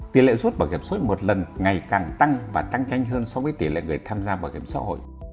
tỷ lệ rút bảo hiểm xã hội một lần ngày càng tăng và tăng nhanh hơn so với tỷ lệ người tham gia bảo hiểm xã hội